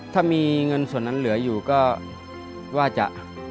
ถ้ามีเงินส่วนนั้นเหลืออยู่ก็ว่าจะ